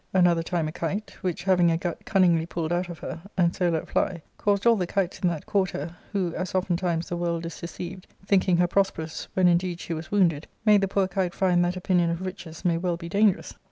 Another time a kite, which having a gut cun ningly pulled out of her, and so let fly, caused all the kites in that quarter, t who, as oftentimes the world is deceived, thinking her prosperous when indeed she was wounded, made the poor kite find that opinion of riches may well be dangerous.